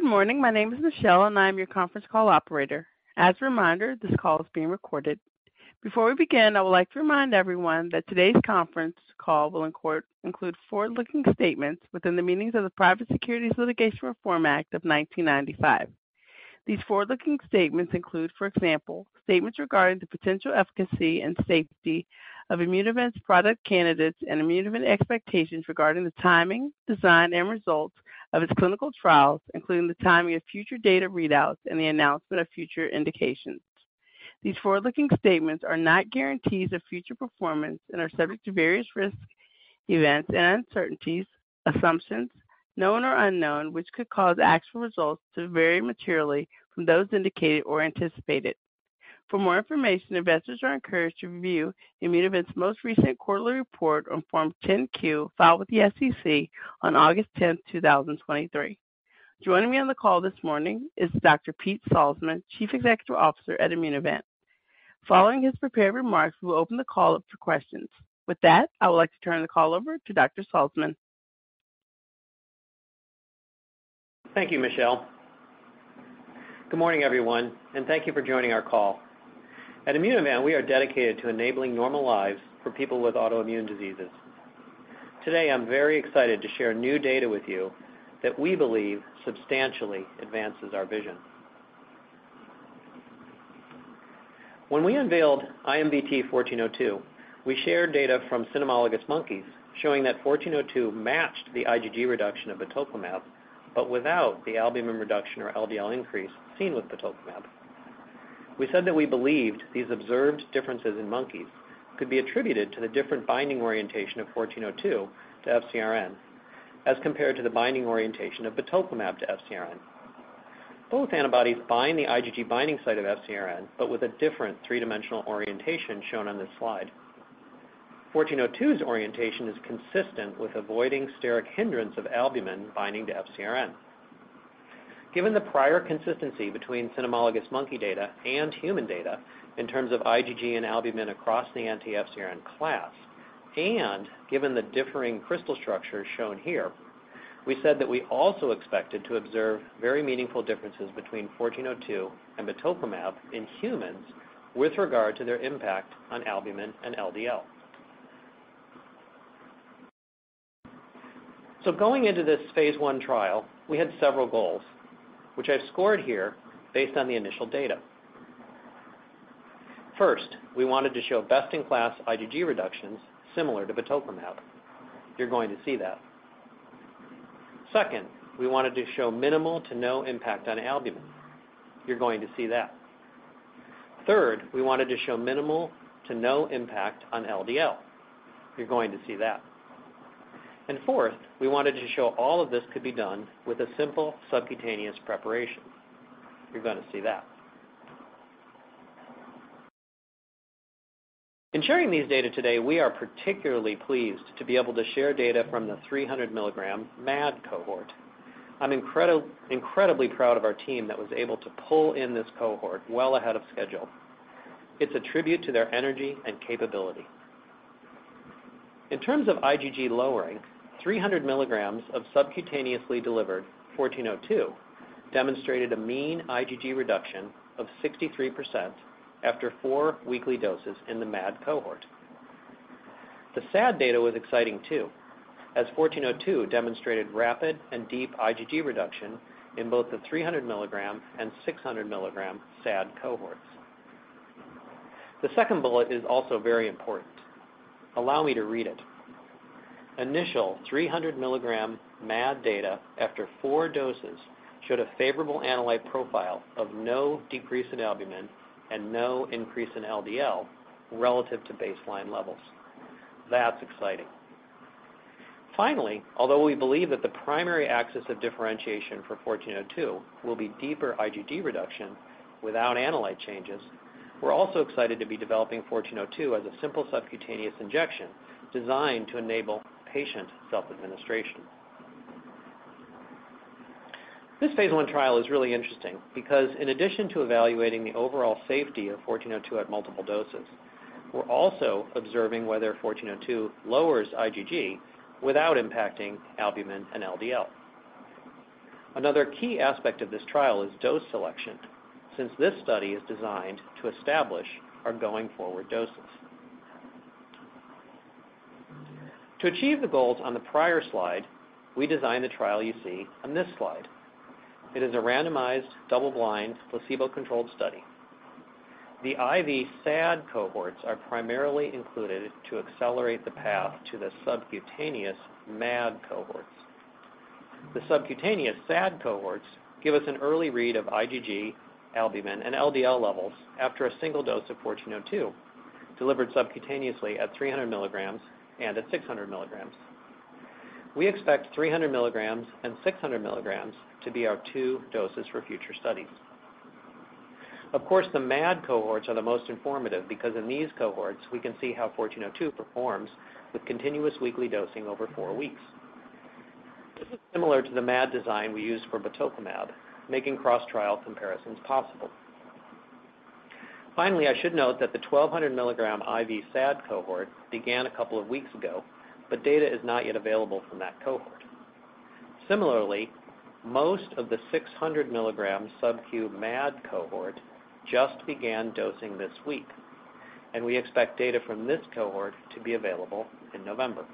Good morning. My name is Michelle, and I am your conference call operator. As a reminder, this call is being recorded. Before we begin, I would like to remind everyone that today's conference call will include forward-looking statements within the meanings of the Private Securities Litigation Reform Act of 1995. These forward-looking statements include, for example, statements regarding the potential efficacy and safety of Immunovant's product candidates and Immunovant expectations regarding the timing, design, and results of its clinical trials, including the timing of future data readouts and the announcement of future indications. These forward-looking statements are not guarantees of future performance and are subject to various risks, events and uncertainties, assumptions, known or unknown, which could cause actual results to vary materially from those indicated or anticipated. For more information, investors are encouraged to review Immunovant's most recent quarterly report on Form 10-Q, filed with the SEC on August 10, 2023. Joining me on the call this morning is Dr. Pete Salzmann, Chief Executive Officer at Immunovant. Following his prepared remarks, we'll open the call up for questions. With that, I would like to turn the call over to Dr. Salzmann. Thank you, Michelle. Good morning, everyone, and thank you for joining our call. At Immunovant, we are dedicated to enabling normal lives for people with autoimmune diseases. Today, I'm very excited to share new data with you that we believe substantially advances our vision. When we unveiled IMVT-1402, we shared data from cynomolgus monkeys showing that IMVT-1402 matched the IgG reduction of batoclimab, but without the albumin reduction or LDL increase seen with batoclimab. We said that we believed these observed differences in monkeys could be attributed to the different binding orientation of IMVT-1402 to FcRn, as compared to the binding orientation of batoclimab to FcRn. Both antibodies bind the IgG binding site of FcRn, but with a different three-dimensional orientation shown on this slide. IMVT-1402's orientation is consistent with avoiding steric hindrance of albumin binding to FcRn. Given the prior consistency between cynomolgus monkey data and human data in terms of IgG and albumin across the anti-FcRn class, and given the differing crystal structures shown here, we said that we also expected to observe very meaningful differences between IMVT-1402 and batoclimab in humans with regard to their impact on albumin and LDL. Going into this phase I trial, we had several goals, which I've scored here based on the initial data. First, we wanted to show best-in-class IgG reductions similar to batoclimab. You're going to see that. Second, we wanted to show minimal to no impact on albumin. You're going to see that. Third, we wanted to show minimal to no impact on LDL. You're going to see that. And fourth, we wanted to show all of this could be done with a simple subcutaneous preparation. You're going to see that. In sharing these data today, we are particularly pleased to be able to share data from the 300 mg MAD cohort. I'm incredibly proud of our team that was able to pull in this cohort well ahead of schedule. It's a tribute to their energy and capability. In terms of IgG lowering, 300 mg of subcutaneously delivered IMVT-1402 demonstrated a mean IgG reduction of 63% after four weekly doses in the MAD cohort. The SAD data was exciting, too, as IMVT-1402 demonstrated rapid and deep IgG reduction in both the 300 mg and 600 mg SAD cohorts. The second bullet is also very important. Allow me to read it. Initial 300 mg MAD data after four doses showed a favorable analyte profile of no decrease in albumin and no increase in LDL relative to baseline levels. That's exciting. Finally, although we believe that the primary axis of differentiation for IMVT-1402 will be deeper IgG reduction without analyte changes, we're also excited to be developing IMVT-1402 as a simple subcutaneous injection designed to enable patient self-administration. This phase I trial is really interesting because in addition to evaluating the overall safety of IMVT-1402 at multiple doses, we're also observing whether IMVT-1402 lowers IgG without impacting albumin and LDL. Another key aspect of this trial is dose selection, since this study is designed to establish our going-forward doses. To achieve the goals on the prior slide, we designed the trial you see on this slide. It is a randomized, double-blind, placebo-controlled study. The IV SAD cohorts are primarily included to accelerate the path to the subcutaneous MAD cohorts. The subcutaneous SAD cohorts give us an early read of IgG, albumin, and LDL levels after a single dose of IMVT-1402, delivered subcutaneously at 300 mg and at 600 mg. We expect 300 mg and 600 mg to be our two doses for future studies. Of course, the MAD cohorts are the most informative because in these cohorts, we can see how IMVT-1402 performs with continuous weekly dosing over four weeks. This is similar to the MAD design we used for batoclimab, making cross-trial comparisons possible. Finally, I should note that the 1,200 mg IV SAD cohort began a couple of weeks ago, but data is not yet available from that cohort. Similarly, most of the 600 mg subQ MAD cohort just began dosing this week, and we expect data from this cohort to be available in November.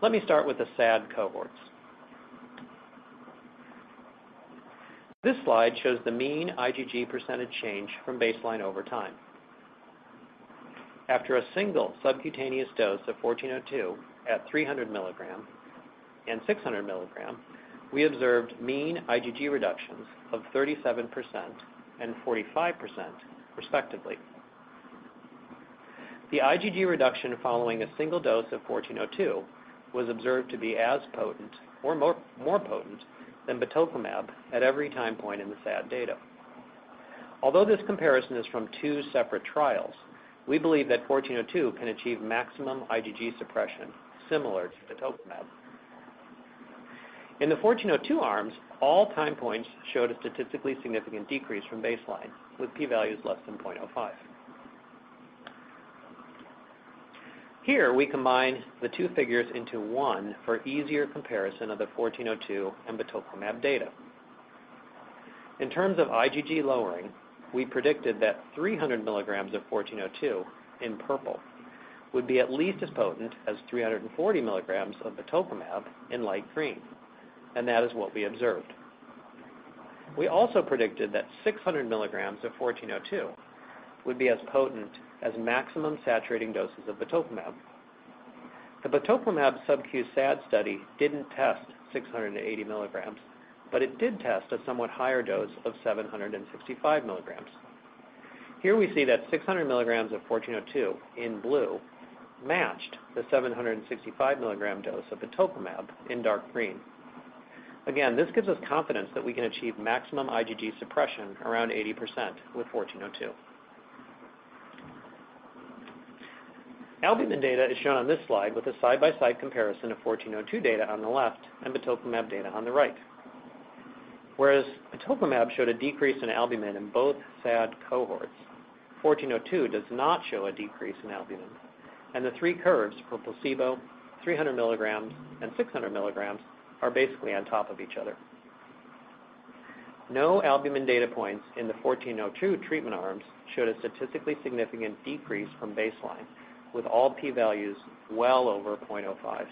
Let me start with the SAD cohorts. This slide shows the mean IgG percentage change from baseline over time. After a single subcutaneous dose of 1402 at 300 mg and 600 mg, we observed mean IgG reductions of 37% and 45% respectively. The IgG reduction following a single dose of 1402 was observed to be as potent or more, more potent than batoclimab at every time point in the SAD data. Although this comparison is from two separate trials, we believe that 1402 can achieve maximum IgG suppression similar to batoclimab. In the 1402 arms, all time points showed a statistically significant decrease from baseline, with p-values less than 0.05. Here, we combine the two figures into one for easier comparison of the 1402 and batoclimab data. In terms of IgG lowering, we predicted that 300 mg of IMVT-1402, in purple, would be at least as potent as 340 mg of batoclimab, in light green, and that is what we observed. We also predicted that 600 mg of IMVT-1402 would be as potent as maximum saturating doses of batoclimab. The batoclimab subQ SAD study didn't test 680 mg, but it did test a somewhat higher dose of 765 mg. Here we see that 600 mg of IMVT-1402, in blue, matched the 765 mg dose of batoclimab, in dark green. Again, this gives us confidence that we can achieve maximum IgG suppression around 80% with IMVT-1402. Albumin data is shown on this slide with a side-by-side comparison of 1402 data on the left and batoclimab data on the right. Whereas batoclimab showed a decrease in albumin in both SAD cohorts, 1402 does not show a decrease in albumin, and the three curves for placebo, 300 mg and 600 mg, are basically on top of each other. No albumin data points in the 1402 treatment arms showed a statistically significant decrease from baseline, with all p-values well over 0.05.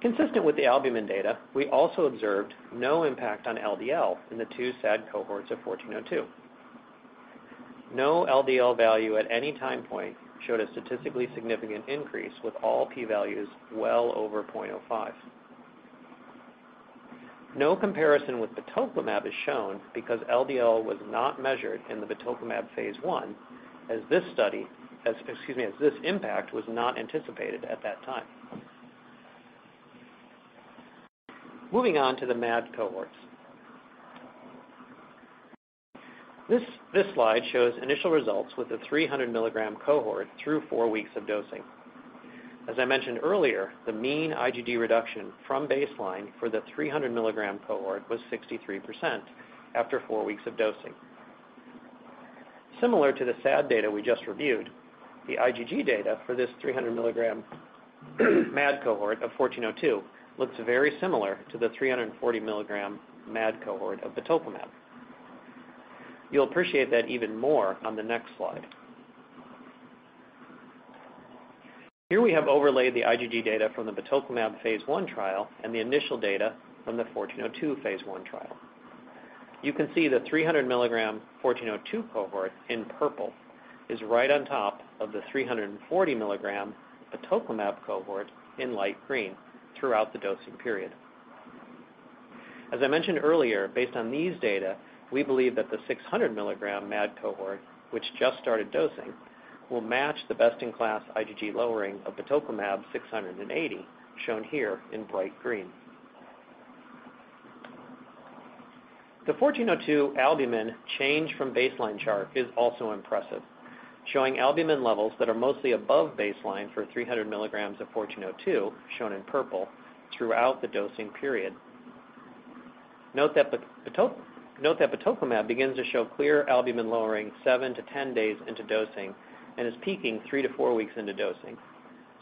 Consistent with the albumin data, we also observed no impact on LDL in the two SAD cohorts of 1402. No LDL value at any time point showed a statistically significant increase, with all p-values well over 0.05. No comparison with batoclimab is shown because LDL was not measured in the batoclimab phase I, as this impact was not anticipated at that time. Excuse me. Moving on to the MAD cohorts. This slide shows initial results with the 300 mg cohort through four weeks of dosing. As I mentioned earlier, the mean IgG reduction from baseline for the 300 mg cohort was 63% after four weeks of dosing. Similar to the SAD data we just reviewed, the IgG data for this 300 mg MAD cohort of 1402 looks very similar to the 340 mg MAD cohort of batoclimab. You'll appreciate that even more on the next slide. Here we have overlaid the IgG data from the batoclimab phase 1 trial and the initial data from the 1402 phase I trial. You can see the 300 mg 1402 cohort in purple is right on top of the 340 mg batoclimab cohort in light green throughout the dosing period. As I mentioned earlier, based on these data, we believe that the 600 mg MAD cohort, which just started dosing, will match the best-in-class IgG lowering of batoclimab 680, shown here in bright green. The 1402 albumin change from baseline chart is also impressive, showing albumin levels that are mostly above baseline for 300 mg of 1402, shown in purple, throughout the dosing period. Note that batoclimab begins to show clear albumin lowering 7-10 days into dosing and is peaking three to four weeks into dosing.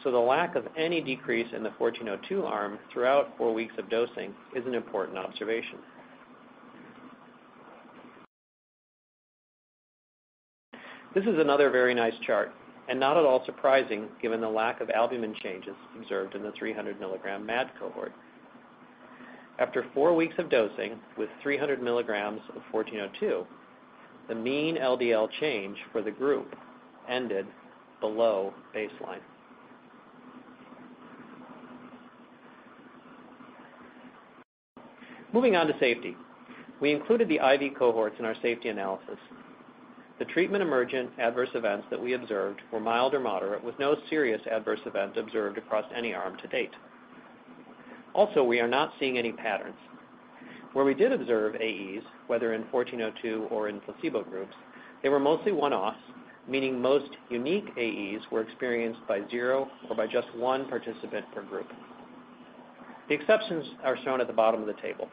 So the lack of any decrease in the 1402 arm throughout four weeks of dosing is an important observation. This is another very nice chart, and not at all surprising, given the lack of albumin changes observed in the 300 mg MAD cohort. After four weeks of dosing with 300 mg of 1402, the mean LDL change for the group ended below baseline. Moving on to safety. We included the IV cohorts in our safety analysis. The treatment-emergent adverse events that we observed were mild or moderate, with no serious adverse events observed across any arm to date. Also, we are not seeing any patterns where we did observe AEs, whether in 1402 or in placebo groups. They were mostly one-offs, meaning most unique AEs were experienced by zero or by just one participant per group. The exceptions are shown at the bottom of the table.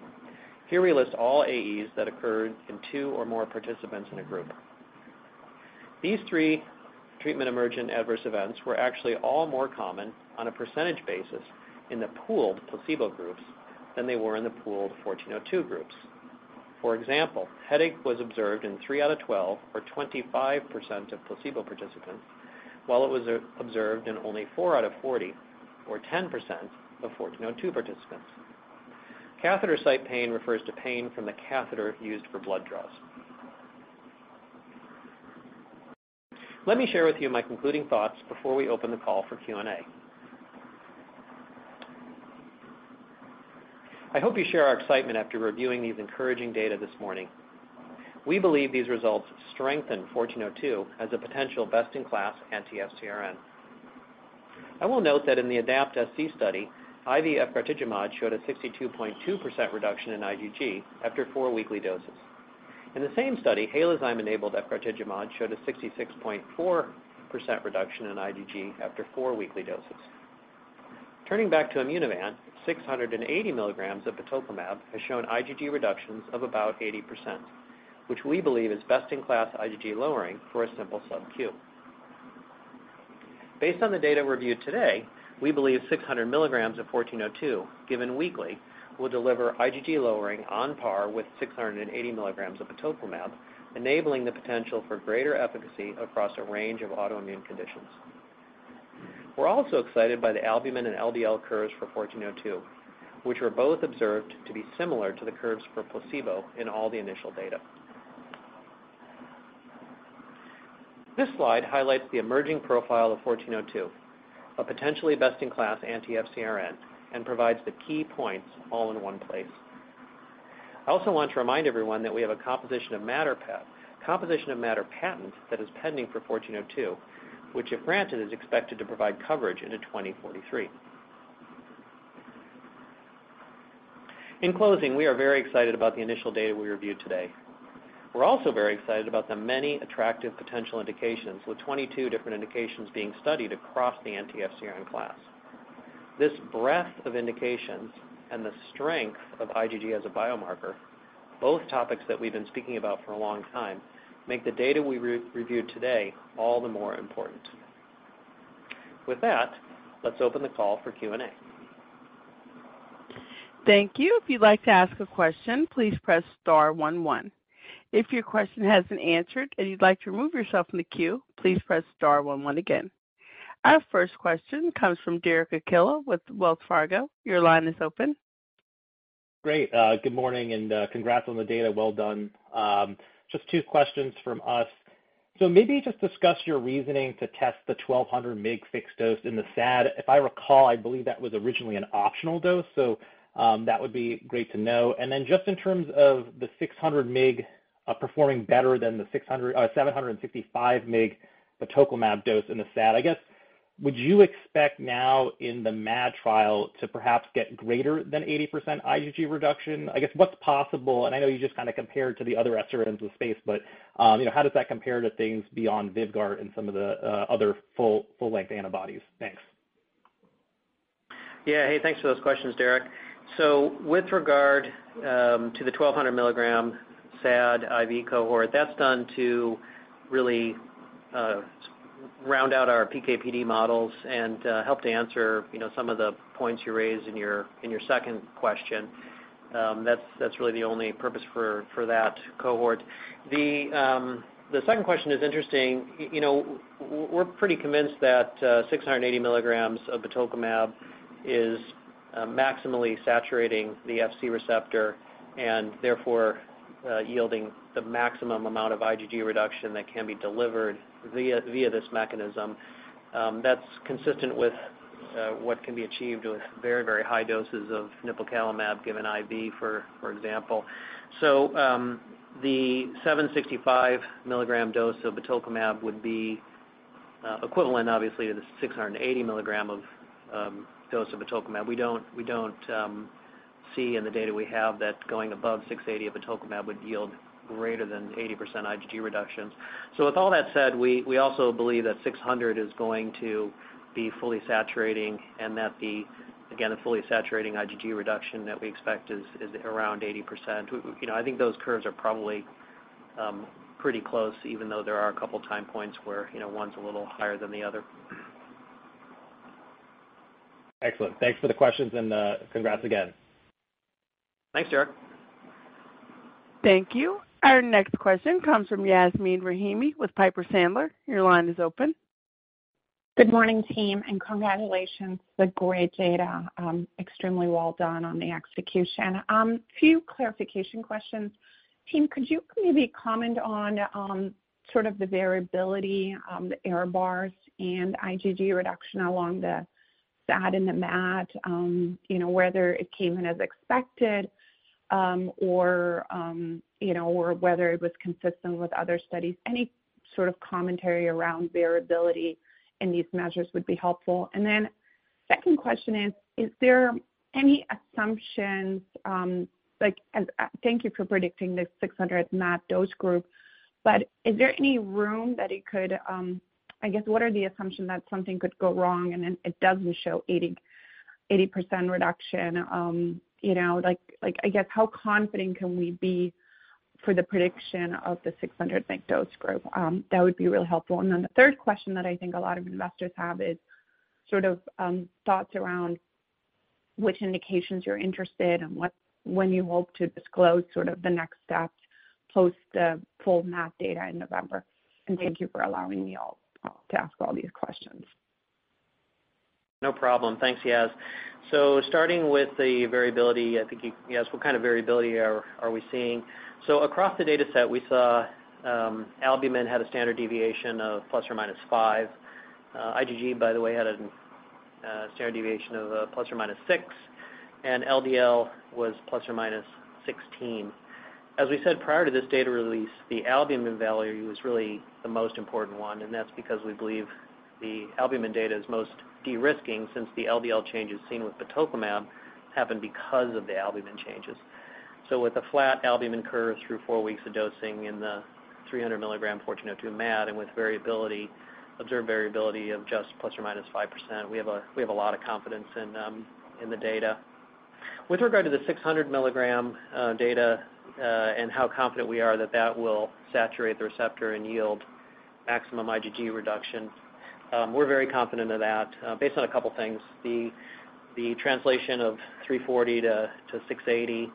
Here we list all AEs that occurred in two or more participants in a group. These three treatment-emergent adverse events were actually all more common on a percentage basis in the pooled placebo groups than they were in the pooled 1402 groups. For example, headache was observed in 3 out of 12, or 25% of placebo participants, while it was observed in only 4 out of 40, or 10%, of 1402 participants. Catheter site pain refers to pain from the catheter used for blood draws. Let me share with you my concluding thoughts before we open the call for Q&A. I hope you share our excitement after reviewing these encouraging data this morning. We believe these results strengthen 1402 as a potential best-in-class anti-FcRn. I will note that in the ADAPT-SC study, IV efgartigimod showed a 62.2% reduction in IgG after four weekly doses. In the same study, Halozyme-enabled efgartigimod showed a 66.4% reduction in IgG after four weekly doses. Turning back to Immunovant, 680 mg of batoclimab has shown IgG reductions of about 80%, which we believe is best-in-class IgG lowering for a simple subQ. Based on the data reviewed today, we believe 600 mg of 1402, given weekly, will deliver IgG lowering on par with 680 mg of batoclimab, enabling the potential for greater efficacy across a range of autoimmune conditions. We're also excited by the albumin and LDL curves for 1402, which were both observed to be similar to the curves for placebo in all the initial data. This slide highlights the emerging profile of 1402, a potentially best-in-class anti-FcRn, and provides the key points all in one place. I also want to remind everyone that we have a composition of matter patent that is pending for 1402, which, if granted, is expected to provide coverage into 2043. In closing, we are very excited about the initial data we reviewed today. We're also very excited about the many attractive potential indications, with 22 different indications being studied across the anti-FcRn class. This breadth of indications and the strength of IgG as a biomarker, both topics that we've been speaking about for a long time, make the data we re-reviewed today all the more important. With that, let's open the call for Q&A. Thank you. If you'd like to ask a question, please press star one, one. If your question hasn't answered and you'd like to remove yourself from the queue, please press star one one again. Our first question comes from Derek Archila with Wells Fargo. Your line is open. Great. Good morning, and congrats on the data. Well done. Just two questions from us. So maybe just discuss your reasoning to test the 1200 mg fixed dose in the SAD. If I recall, I believe that was originally an optional dose, so that would be great to know. And then just in terms of the 600 mg performing better than the 765 mg batoclimab dose in the SAD, I guess, would you expect now in the MAD trial to perhaps get greater than 80% IgG reduction? I guess, what's possible, and I know you just kinda compared to the other FcRns in the space, but you know, how does that compare to things beyond VYVGART and some of the other full-length antibodies? Thanks. Yeah. Hey, thanks for those questions, Derek. So with regard to the 1200 mg SAD IV cohort, that's done to really round out our PK/PD models and help to answer, you know, some of the points you raised in your second question. That's really the only purpose for that cohort. The second question is interesting. You know, we're pretty convinced that 680 mg of batoclimab is maximally saturating the Fc receptor and therefore yielding the maximum amount of IgG reduction that can be delivered via this mechanism. That's consistent with what can be achieved with very, very high doses of nipocalimab given IV, for example. So, the 765-mg dose of batoclimab would be, equivalent, obviously, to the 680-mg dose of batoclimab. We don't, we don't, see in the data we have that going above 680 of batoclimab would yield greater than 80% IgG reductions. So with all that said, we, we also believe that 600 is going to be fully saturating and that the, again, a fully saturating IgG reduction that we expect is, is around 80%. You know, I think those curves are probably, pretty close, even though there are a couple of time points where, you know, one's a little higher than the other. Excellent. Thanks for the questions, and congrats again. Thanks, Derek. Thank you. Our next question comes from Yasmeen Rahimi with Piper Sandler. Your line is open. Good morning, team, and congratulations on the great data. Extremely well done on the execution. A few clarification questions. Team, could you maybe comment on, sort of the variability, the error bars and IgG reduction along the SAD and the MAD, you know, whether it came in as expected, or, you know, or whether it was consistent with other studies? Any sort of commentary around variability in these measures would be helpful. Then... Second question is, is there any assumptions, like, as, thank you for predicting the 600 mg dose group. But is there any room that it could, I guess, what are the assumption that something could go wrong and then it doesn't show 80, 80% reduction? You know, like, like, I guess, how confident can we be for the prediction of the 600 mg dose group? That would be really helpful. And then the third question that I think a lot of investors have is sort of, thoughts around which indications you're interested and what, when you hope to disclose sort of the next steps, post the full MAD data in November. And thank you for allowing me all, to ask all these questions. No problem. Thanks, Yaz. So starting with the variability, I think, Yaz, what kind of variability are we seeing? So across the data set, we saw, albumin had a standard deviation of ±5. IgG, by the way, had a standard deviation of ±6, and LDL was ±16. As we said, prior to this data release, the albumin value was really the most important one, and that's because we believe the albumin data is most de-risking since the LDL changes seen with batoclimab happened because of the albumin changes. So with a flat albumin curve through four weeks of dosing in the 300 mg 1402 MAD, and with variability, observed variability of just ±5%, we have a lot of confidence in the data. With regard to the 600 mg data, and how confident we are that that will saturate the receptor and yield maximum IgG reduction, we're very confident of that, based on a couple things. The translation of 340 to 680,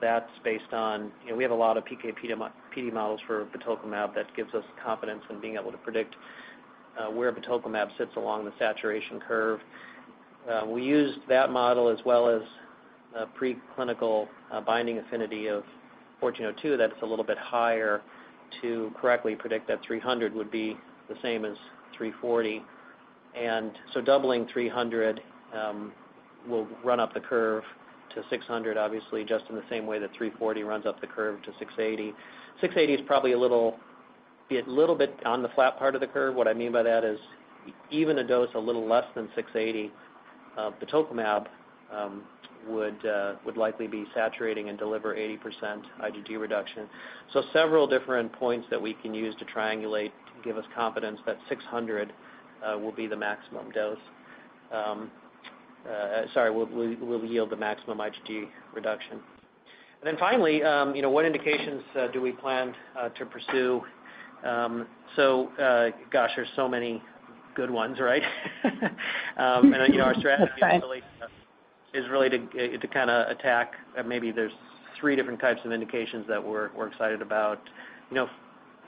that's based on... You know, we have a lot of PK/PD models for batoclimab that gives us confidence in being able to predict where batoclimab sits along the saturation curve. We used that model as well as a preclinical binding affinity of 1402, that's a little bit higher, to correctly predict that 300 would be the same as 340. And so doubling 300 will run up the curve to 600, obviously, just in the same way that 340 runs up the curve to 680. 680 is probably a little bit on the flat part of the curve. What I mean by that is, even a dose a little less than 680 of batoclimab would likely be saturating and deliver 80% IgG reduction. So several different points that we can use to triangulate give us confidence that 600 will be the maximum dose. Sorry, will yield the maximum IgG reduction. And then finally, you know, what indications do we plan to pursue? So, gosh, there's so many good ones, right? That's right. And, you know, our strategy is really to kinda attack, maybe there's three different types of indications that we're excited about. You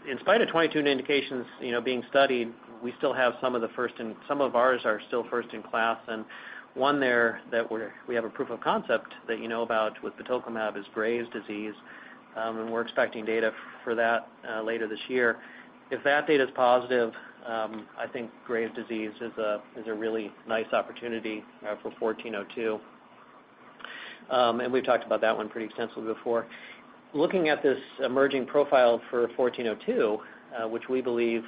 know, in spite of 22 indications, you know, being studied, we still have some of the first, and some of ours are still first in class. And one that we're, we have a proof of concept that you know about with batoclimab is Graves' disease, and we're expecting data for that later this year. If that data is positive, I think Graves' disease is a really nice opportunity for 1402. And we've talked about that one pretty extensively before. Looking at this emerging profile for 1402, which we believe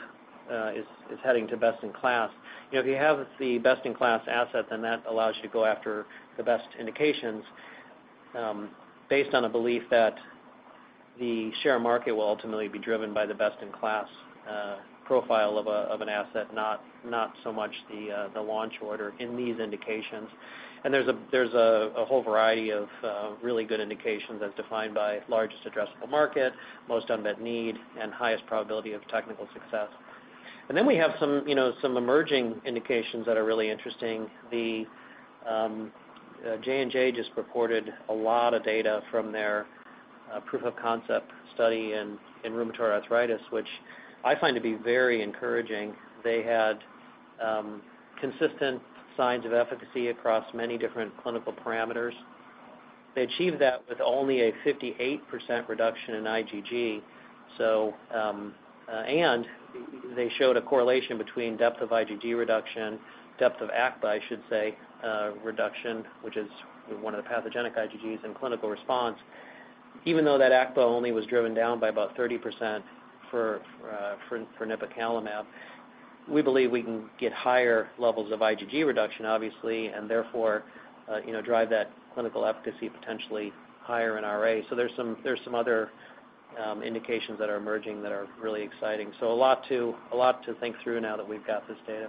is heading to best-in-class, you know, if you have the best-in-class asset, then that allows you to go after the best indications, based on a belief that the share market will ultimately be driven by the best-in-class profile of an asset, not so much the launch order in these indications. There's a whole variety of really good indications as defined by largest addressable market, most unmet need, and highest probability of technical success. Then we have some, you know, some emerging indications that are really interesting. J&J just reported a lot of data from their proof of concept study in rheumatoid arthritis, which I find to be very encouraging. They had consistent signs of efficacy across many different clinical parameters. They achieved that with only a 58% reduction in IgG, so... And they showed a correlation between depth of IgG reduction, depth of ACPA, I should say, reduction, which is one of the pathogenic IgGs in clinical response. Even though that ACPA only was driven down by about 30% for nipocalimab, we believe we can get higher levels of IgG reduction, obviously, and therefore, you know, drive that clinical efficacy potentially higher in RA. So there's some other indications that are emerging that are really exciting. So a lot to think through now that we've got this data.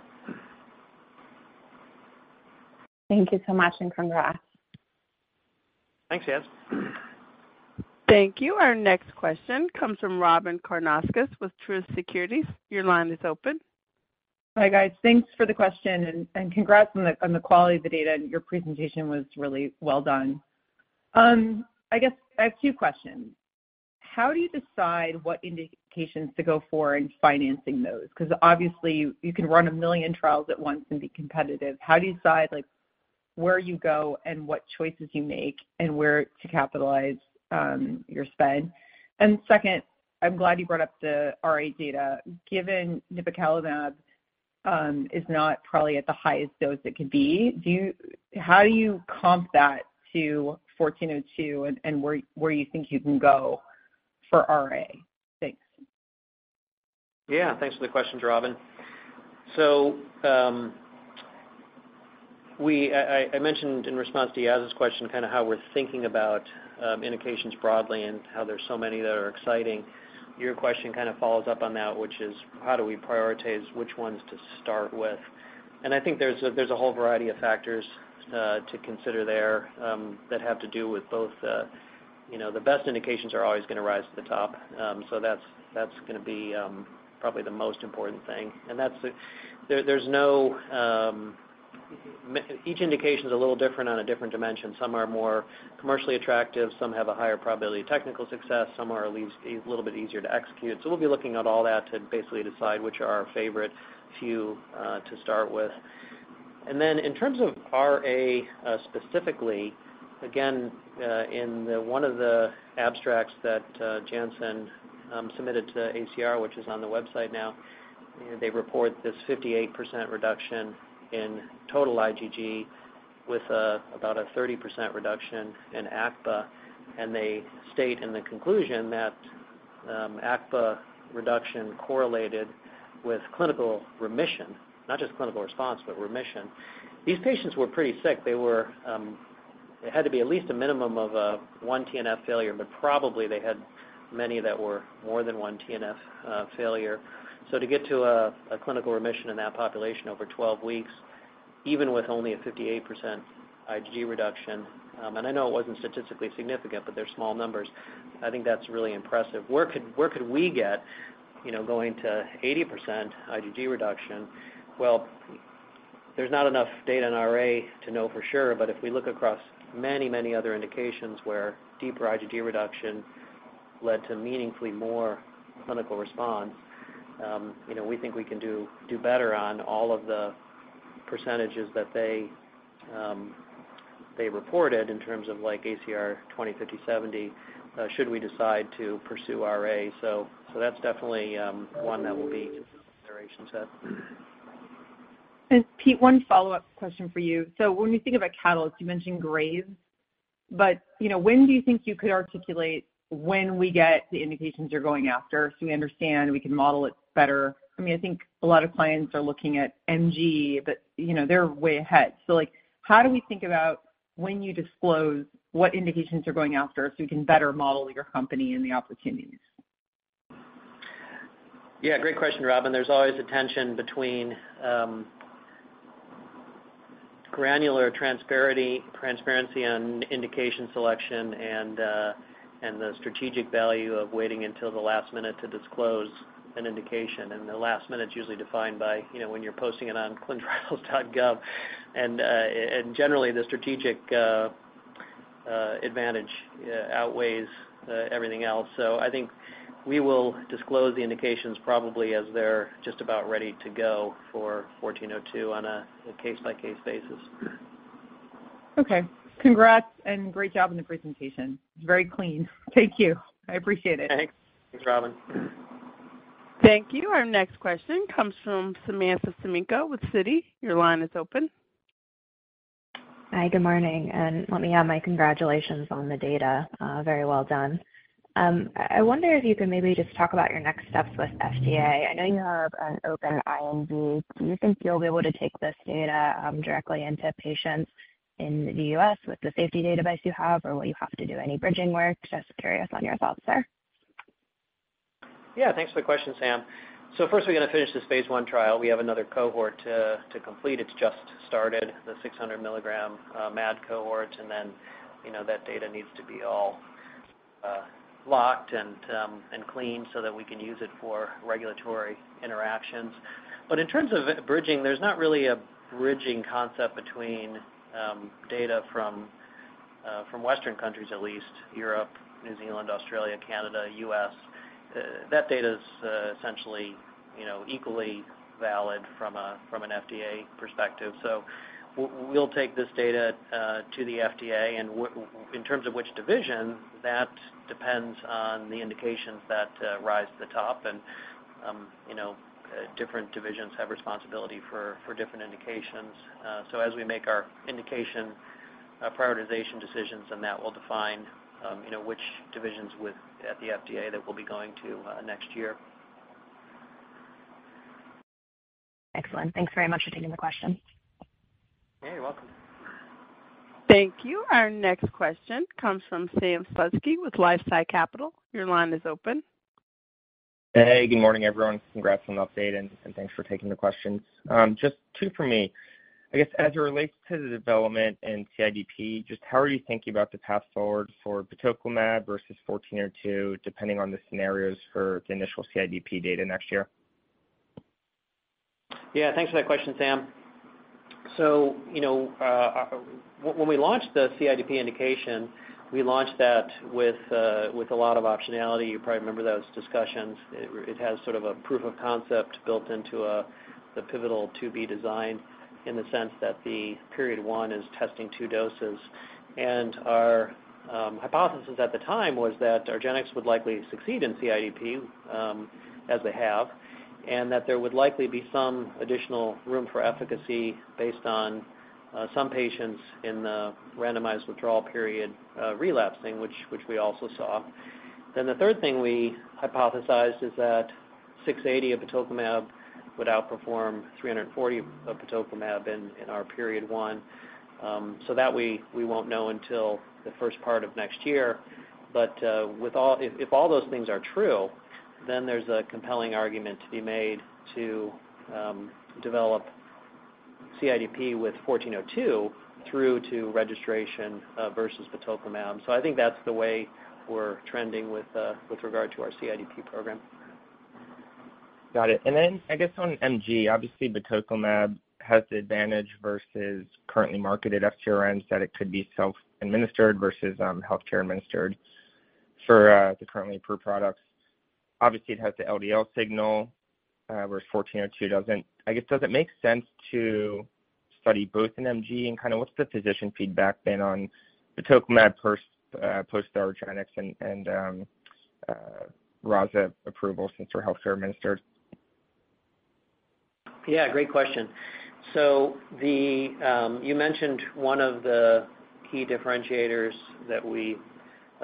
Thank you so much, and congrats. Thanks, Yaz. Thank you. Our next question comes from Robyn Karnauskas with Truist Securities. Your line is open. Hi, guys. Thanks for the question, and congrats on the quality of the data, and your presentation was really well done. I guess I have two questions. How do you decide what indications to go for in financing those? 'Cause obviously, you can run a million trials at once and be competitive. How do you decide, like, where you go and what choices you make and where to capitalize your spend? And second, I'm glad you brought up the RA data. Given nipocalimab is not probably at the highest dose it could be, how do you comp that to 1402 and where you think you can go for RA? Thanks. Yeah, thanks for the question, Robyn. So, I mentioned in response to Yaz's question, kind of how we're thinking about indications broadly and how there's so many that are exciting. Your question kind of follows up on that, which is: how do we prioritize which ones to start with? And I think there's a whole variety of factors to consider there that have to do with both, you know, the best indications are always gonna rise to the top. So that's gonna be probably the most important thing. And that's the - there, there's no, each indication is a little different on a different dimension. Some are more commercially attractive, some have a higher probability of technical success, some are at least a little bit easier to execute. So we'll be looking at all that to basically decide which are our favorite few, to start with. And then in terms of RA, specifically, again, in one of the abstracts that Janssen submitted to ACR, which is on the website now, they report this 58% reduction in total IgG with about a 30% reduction in ACPA. And they state in the conclusion that ACPA reduction correlated with clinical remission, not just clinical response, but remission. These patients were pretty sick. They were, it had to be at least a minimum of one TNF failure, but probably they had many that were more than one TNF failure. So to get to a clinical remission in that population over 12 weeks, even with only a 58% IgG reduction, and I know it wasn't statistically significant, but they're small numbers. I think that's really impressive. Where could we get, you know, going to 80% IgG reduction? Well, there's not enough data in RA to know for sure, but if we look across many, many other indications where deeper IgG reduction led to meaningfully more clinical response, you know, we think we can do better on all of the percentages that they reported in terms of like ACR 20, 50, 70, should we decide to pursue RA. So that's definitely one that we'll be considerations at. Pete, one follow-up question for you. So when you think about catalysts, you mentioned Graves, but, you know, when do you think you could articulate when we get the indications you're going after, so we understand, we can model it better? I mean, I think a lot of clients are looking at MG, but, you know, they're way ahead. So, like, how do we think about when you disclose what indications you're going after so we can better model your company and the opportunities? Yeah, great question, Robyn. There's always a tension between granular transparency, transparency on indication selection and the strategic value of waiting until the last minute to disclose an indication. And the last minute is usually defined by, you know, when you're posting it on ClinicalTrials.gov. And generally, the strategic advantage outweighs everything else. So I think we will disclose the indications probably as they're just about ready to go for 1402 on a case-by-case basis. Okay. Congrats, and great job in the presentation. It's very clean. Thank you. I appreciate it. Thanks. Thanks, Robyn. Thank you. Our next question comes from Samantha Semenkow with Citi. Your line is open. Hi, good morning, and let me add my congratulations on the data. Very well done. I wonder if you can maybe just talk about your next steps with FDA. I know you have an open IND. Do you think you'll be able to take this data directly into patients in the US with the safety database you have, or will you have to do any bridging work? Just curious on your thoughts there. Yeah, thanks for the question, Sam. So first, we're gonna finish this phase I trial. We have another cohort to complete. It's just started, the 600 mg MAD cohort, and then, you know, that data needs to be all locked and cleaned so that we can use it for regulatory interactions. But in terms of bridging, there's not really a bridging concept between data from Western countries, at least, Europe, New Zealand, Australia, Canada, U.S. That data is essentially, you know, equally valid from an FDA perspective. So we'll take this data to the FDA, and in terms of which division, that depends on the indications that rise to the top. And, you know, different divisions have responsibility for different indications. So as we make our indication prioritization decisions, then that will define, you know, which divisions at the FDA that we'll be going to next year. Excellent. Thanks very much for taking the question. Hey, you're welcome. Thank you. Our next question comes from Sam Slutsky with LifeSci Capital. Your line is open. Hey, good morning, everyone. Congrats on the update, and thanks for taking the questions. Just two for me. I guess, as it relates to the development in CIDP, just how are you thinking about the path forward for batoclimab versus IMVT-1402, depending on the scenarios for the initial CIDP data next year? Yeah, thanks for that question, Sam. So, you know, when we launched the CIDP indication, we launched that with a lot of optionality. You probably remember those discussions. It has sort of a proof of concept built into the pivotal 2B design, in the sense that Period 1 is testing two doses. And our hypothesis at the time was that argenx would likely succeed in CIDP, as they have... and that there would likely be some additional room for efficacy based on some patients in the randomized withdrawal period relapsing, which we also saw. Then the third thing we hypothesized is that 680 of batoclimab would outperform 340 of batoclimab in our Period 1. So that we won't know until the first part of next year. But, with all if all those things are true, then there's a compelling argument to be made to develop CIDP with 1402 through to registration versus batoclimab. So I think that's the way we're trending with regard to our CIDP program. Got it. And then I guess on MG, obviously, batoclimab has the advantage versus currently marketed FcRns, that it could be self-administered versus healthcare administered for the currently approved products. Obviously, it has the LDL signal, whereas 1402 doesn't. I guess, does it make sense to study both in MG, and kinda what's the physician feedback been on batoclimab post argenx and Roza approval since we're healthcare administered? Yeah, great question. So the, you mentioned one of the key differentiators that we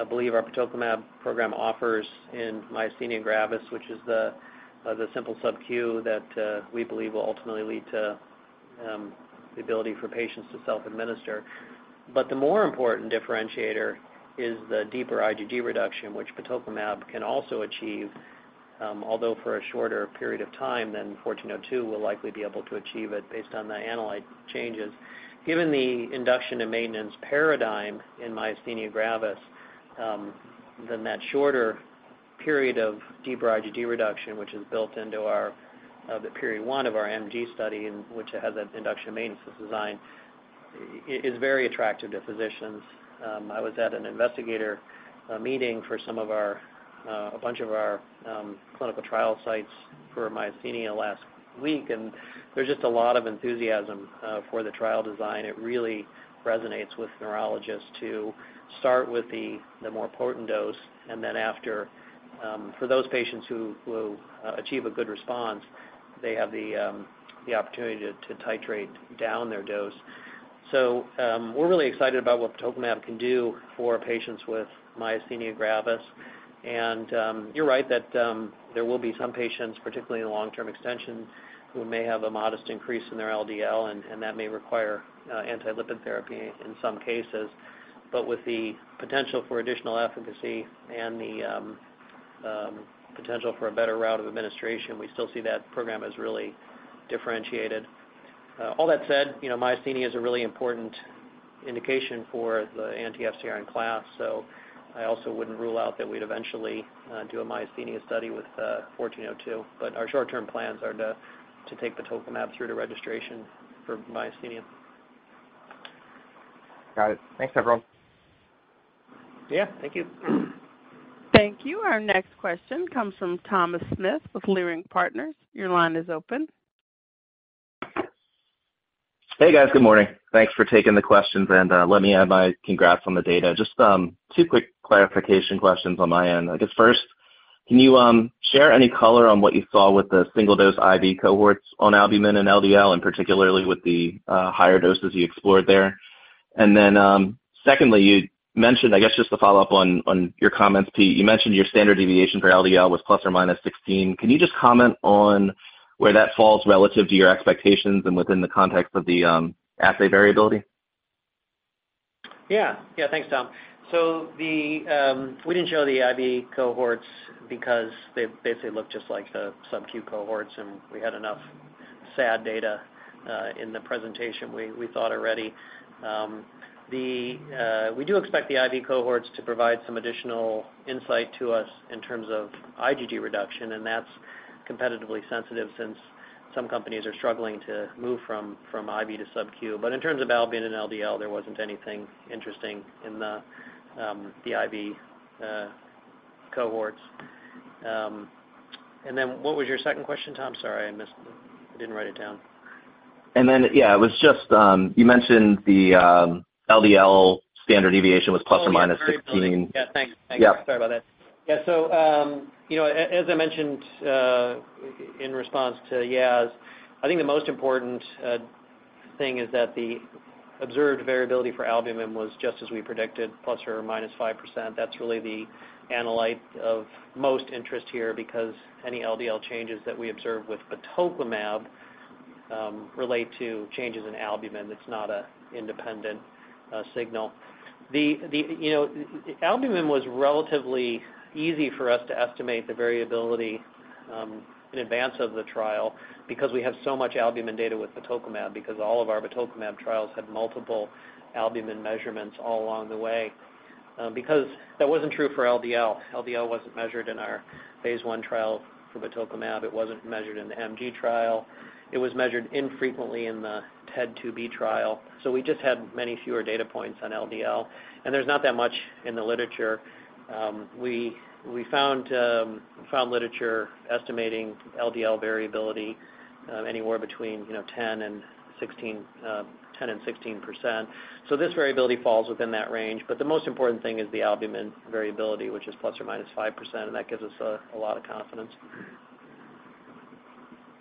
believe our batoclimab program offers in myasthenia gravis, which is the simple subQ that we believe will ultimately lead to the ability for patients to self-administer. But the more important differentiator is the deeper IgG reduction, which batoclimab can also achieve, although for a shorter period of time than 1402 will likely be able to achieve it based on the analyte changes. Given the induction and maintenance paradigm in myasthenia gravis, then that shorter period of deeper IgG reduction, which is built into our the period one of our MG study, and which has an induction maintenance design, is very attractive to physicians. I was at an investigator meeting for some of our a bunch of our clinical trial sites for myasthenia last week, and there's just a lot of enthusiasm for the trial design. It really resonates with neurologists to start with the more potent dose, and then after for those patients who will achieve a good response, they have the opportunity to titrate down their dose. So, we're really excited about what batoclimab can do for patients with myasthenia gravis. And, you're right that there will be some patients, particularly in the long-term extension, who may have a modest increase in their LDL, and that may require anti-lipid therapy in some cases. But with the potential for additional efficacy and the potential for a better route of administration, we still see that program as really differentiated. All that said, you know, myasthenia is a really important indication for the anti-FcRn class, so I also wouldn't rule out that we'd eventually do a myasthenia study with IMVT-1402. But our short-term plans are to take batoclimab through to registration for myasthenia. Got it. Thanks, everyone. Yeah, thank you. Thank you. Our next question comes from Thomas Smith with Leerink Partners. Your line is open. Hey, guys. Good morning. Thanks for taking the questions, and let me add my congrats on the data. Just two quick clarification questions on my end. I guess first, can you share any color on what you saw with the single-dose IV cohorts on albumin and LDL, and particularly with the higher doses you explored there? And then, secondly, you mentioned, I guess just to follow up on, on your comments, Pete, you mentioned your standard deviation for LDL was ±16. Can you just comment on where that falls relative to your expectations and within the context of the assay variability? Yeah. Yeah, thanks, Tom. So we didn't show the IV cohorts because they basically looked just like the subQ cohorts, and we had enough SAD data in the presentation, we thought already. We do expect the IV cohorts to provide some additional insight to us in terms of IgG reduction, and that's competitively sensitive since some companies are struggling to move from IV to subQ. But in terms of albumin and LDL, there wasn't anything interesting in the IV cohorts. And then what was your second question, Tom? Sorry, I missed it. I didn't write it down. And then, yeah, it was just, you mentioned the LDL standard deviation was ±16. Oh, yeah, very... Yeah, thanks. Yeah. Sorry about that. Yeah, so, you know, as I mentioned, in response to Yaz, I think the most important thing is that the observed variability for albumin was just as we predicted, ±5%. That's really the analyte of most interest here, because any LDL changes that we observe with batoclimab relate to changes in albumin. It's not an independent signal. You know, albumin was relatively easy for us to estimate the variability in advance of the trial because we have so much albumin data with batoclimab, because all of our batoclimab trials had multiple albumin measurements all along the way. Because that wasn't true for LDL. LDL wasn't measured in our phase I trial for batoclimab. It wasn't measured in the MG trial. It was measured infrequently in the TED 2b trial. So we just had many fewer data points on LDL, and there's not that much in the literature. We found literature estimating LDL variability anywhere between, you know, 10%-16%. So this variability falls within that range. But the most important thing is the albumin variability, which is ±5%, and that gives us a lot of confidence.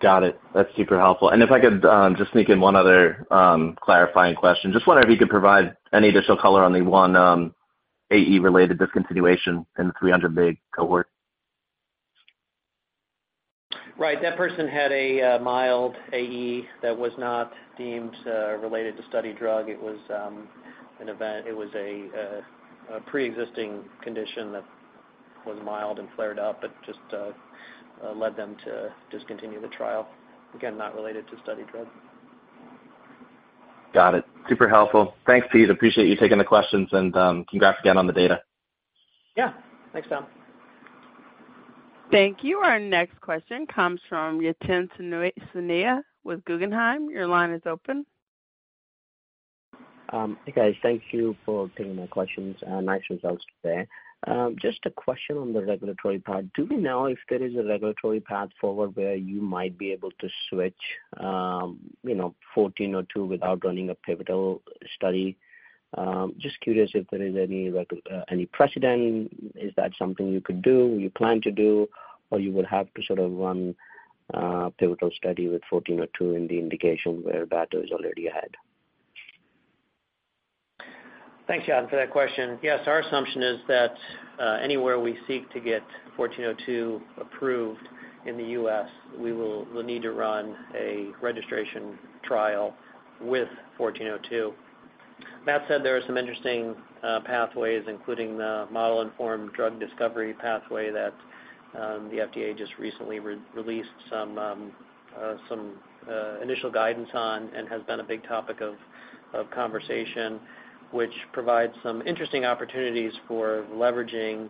Got it. That's super helpful. If I could just sneak in one other clarifying question. Just wondering if you could provide any additional color on the one AE-related discontinuation in the 300 mg cohort? Right. That person had a mild AE that was not deemed related to study drug. It was an event. It was a preexisting condition that was mild and flared up, but just led them to discontinue the trial. Again, not related to study drug. Got it. Super helpful. Thanks, Pete. Appreciate you taking the questions, and, congrats again on the data. Yeah. Thanks, Tom. Thank you. Our next question comes from Yatin Suneja, with Guggenheim. Your line is open. Hey, guys. Thank you for taking my questions. Nice results today. Just a question on the regulatory part. Do we know if there is a regulatory path forward where you might be able to switch, you know, 1402 without running a pivotal study? Just curious if there is any precedent. Is that something you could do, you plan to do, or you would have to sort of run, pivotal study with 1402 in the indication where Bato is already ahead? Thanks, Yatin, for that question. Yes, our assumption is that, anywhere we seek to get 1402 approved in the U.S., we'll need to run a registration trial with 1402. That said, there are some interesting pathways, including the model-informed drug development pathway, that the FDA just recently re-released some initial guidance on, and has been a big topic of conversation, which provides some interesting opportunities for leveraging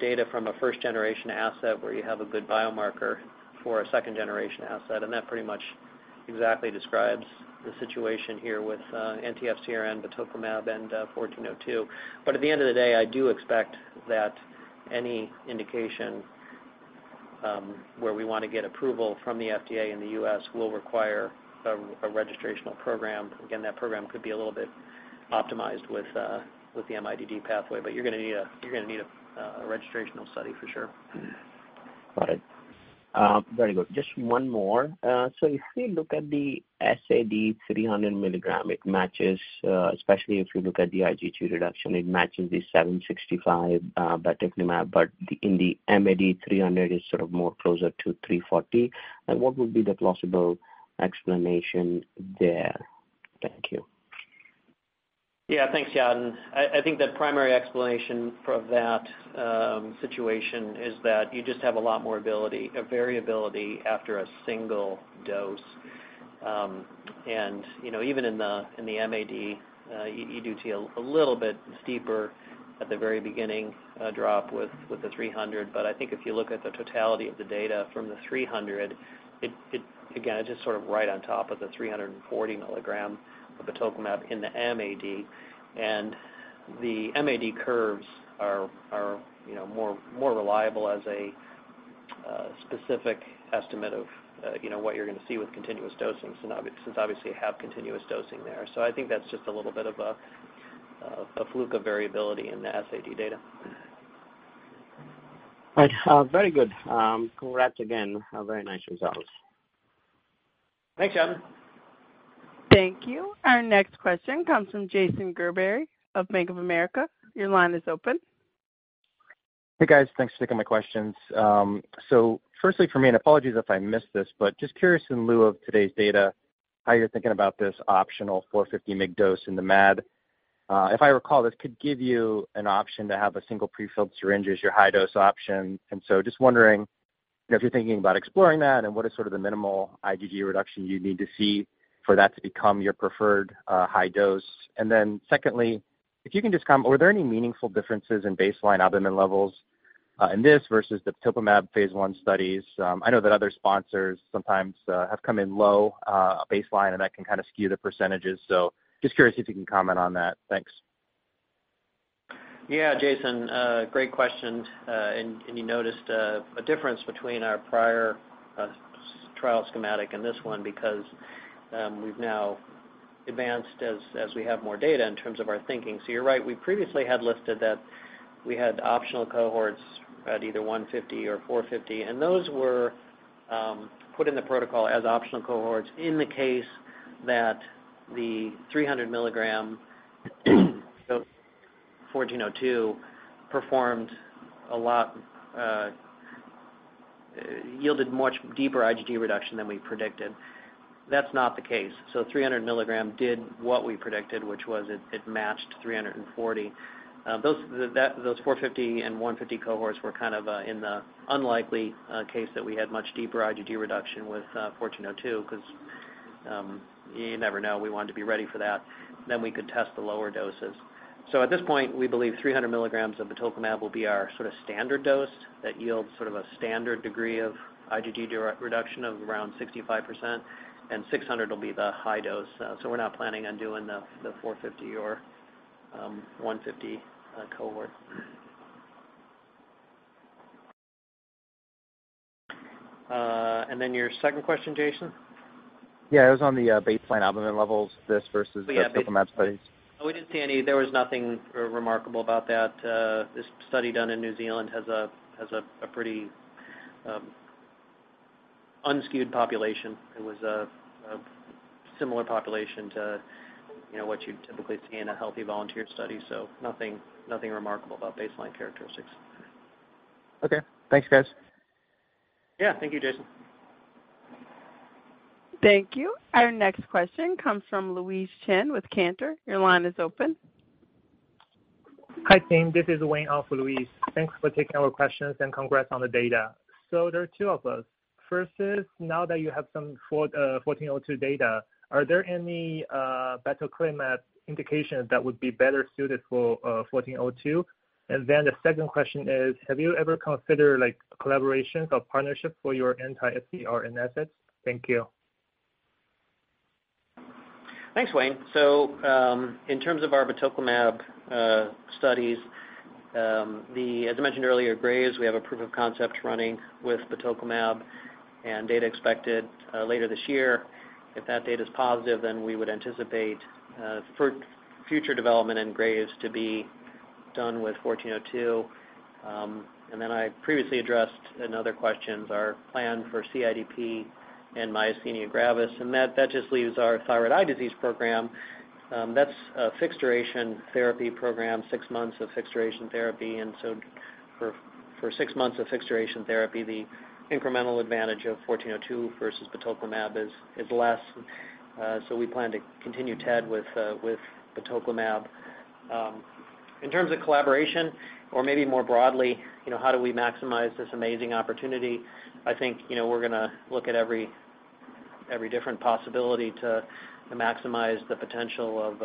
data from a first-generation asset, where you have a good biomarker for a second-generation asset. And that pretty much exactly describes the situation here with anti-FcRn, batoclimab, and 1402. But at the end of the day, I do expect that any indication where we wanna get approval from the FDA in the U.S. will require a registrational program. Again, that program could be a little bit optimized with the MIDD pathway, but you're gonna need a registrational study for sure. Got it. Very good. Just one more. So if we look at the SAD 300 mg, it matches, especially if you look at the IgG reduction, it matches the 765, batoclimab, but in the MAD 300 is sort of more closer to 340. And what would be the plausible explanation there? Thank you. Yeah, thanks, Yatin. I think the primary explanation for that situation is that you just have a lot more ability, variability after a single dose. And, you know, even in the MAD, you do see a little bit steeper at the very beginning drop with the 300. But I think if you look at the totality of the data from the 300, it... Again, it's just sort of right on top of the 300 and 340 mg of the batoclimab in the MAD. And the MAD curves are, you know, more reliable as a specific estimate of, you know, what you're gonna see with continuous dosing, since obviously you have continuous dosing there. I think that's just a little bit of a fluke of variability in the SAD data. Right. Very good. Congrats again. A very nice results. Thanks, Yatin. Thank you. Our next question comes from Jason Gerberry of Bank of America. Your line is open. Hey, guys. Thanks for taking my questions. So firstly for me, and apologies if I missed this, but just curious in lieu of today's data, how you're thinking about this optional 450 mg dose in the MAD? If I recall, this could give you an option to have a single prefilled syringe as your high-dose option. And so just wondering if you're thinking about exploring that, and what is sort of the minimal IgG reduction you need to see for that to become your preferred, high dose? And then secondly, if you can just comment, were there any meaningful differences in baseline albumin levels, in this versus the batoclimab phase I studies? I know that other sponsors sometimes, have come in low, baseline, and that can kind of skew the percentages. So just curious if you can comment on that. Thanks. Yeah, Jason, great question. And you noticed a difference between our prior SAD trial schematic and this one, because we've now advanced as we have more data in terms of our thinking. So you're right, we previously had listed that we had optional cohorts at either 150 or 450, and those were put in the protocol as optional cohorts in the case that the 300 mg, so 1402, yielded much deeper IgG reduction than we predicted. That's not the case. So 300 mg did what we predicted, which was it matched 340. Those 450 and 150 cohorts were kind of in the unlikely case that we had much deeper IgG reduction with 1402, because you never know, we wanted to be ready for that. Then we could test the lower doses. So at this point, we believe 300 mg of batoclimab will be our sort of standard dose that yields sort of a standard degree of IgG reduction of around 65%, and 600 will be the high dose. So we're not planning on doing the 450 or 150 cohort. And then your second question, Jason? Yeah, it was on the baseline albumin levels, this versus the batoclimab studies. We didn't see any. There was nothing remarkable about that. This study done in New Zealand has a pretty unskewed population. It was a similar population to, you know, what you'd typically see in a healthy volunteer study, so nothing remarkable about baseline characteristics. Okay. Thanks, guys. Yeah. Thank you, Jason. Thank you. Our next question comes from Louise Chen with Cantor. Your line is open. Hi, team. This is Wayne, for Louise. Thanks for taking our questions, and congrats on the data. So there are two of those. First is, now that you have some IMVT-1402 data, are there any batoclimab indications that would be better suited for IMVT-1402? And then the second question is, have you ever considered, like, collaborations or partnerships for your anti-FcRn assets? Thank you. Thanks, Wayne. So, in terms of our batoclimab studies, as I mentioned earlier, Graves, we have a proof of concept running with batoclimab, and data expected later this year. If that data is positive, then we would anticipate for future development in Graves to be done with 1402. And then I previously addressed in other questions our plan for CIDP and myasthenia gravis, and that just leaves our thyroid eye disease program. That's a fixed-duration therapy program, six months of fixed-duration therapy. And so for six months of fixed-duration therapy, the incremental advantage of 1402 versus batoclimab is less. So we plan to continue TED with batoclimab. In terms of collaboration, or maybe more broadly, you know, how do we maximize this amazing opportunity? I think, you know, we're gonna look at every different possibility to maximize the potential of